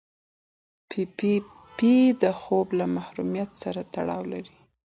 پي پي پي د خوب له محرومیت سره تړاو لري.